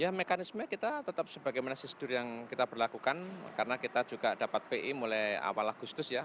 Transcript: ya mekanisme kita tetap sebagaimana prosedur yang kita berlakukan karena kita juga dapat pi mulai awal agustus ya